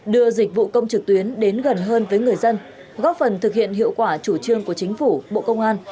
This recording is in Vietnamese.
đưa dịch vụ công trực tuyến đến gần hơn với người dân góp phần thực hiện hiệu quả chủ trương của chính phủ bộ công an